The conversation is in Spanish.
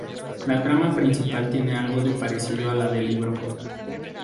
La trama principal tiene algo de parecido a la del libro.